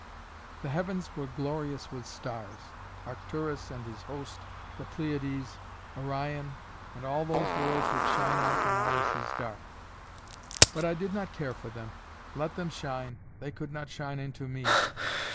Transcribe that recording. The heavens were glorious with stars,—Arcturus and his host, the Pleiades, Orion, and all those worlds that shine out when ours is dark; but I did not care for them. Let them shine: they could not shine into me.